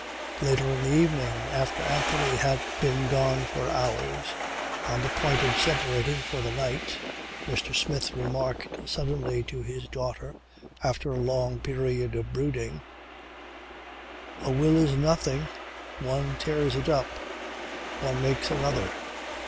Later in the evening, after Anthony had been gone for hours, on the point of separating for the night, Mr. Smith remarked suddenly to his daughter after a long period of brooding: "A will is nothing. One tears it up. One makes another."